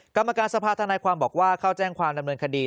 กรรมการสภาธนายความบอกว่าเข้าแจ้งความดำเนินคดี